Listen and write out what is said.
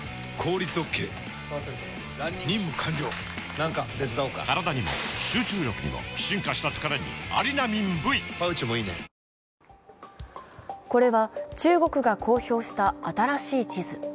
そんな中これは中国が公表した新しい地図。